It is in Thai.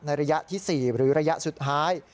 ระยะที่๔หรือระยะสุดท้าย